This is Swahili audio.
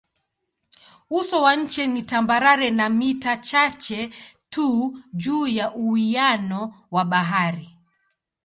Uso wa nchi ni tambarare na mita chache tu juu ya uwiano wa bahari.